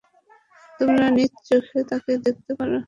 তোমরা নিজ চোখে তাকে দেখতে পার।